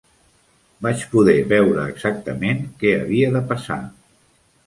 Vaig poder veure exactament què havia de passar.